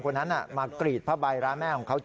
ประมาณสักว